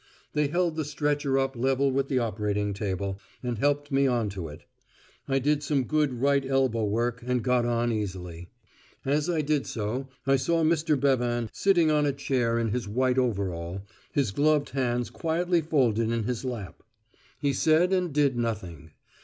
They held the stretcher up level with the operating table, and helped me on to it. I did some good right elbow work and got on easily. As I did so, I saw Mr. Bevan sitting on a chair in his white overall, his gloved hands quietly folded in his lap. He said and did nothing.